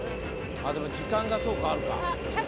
でも時間が、そうか、あるか。